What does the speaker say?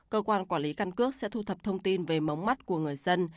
cơ quan quản lý căn cước sẽ thu thập thông tin về mống mắt của người dân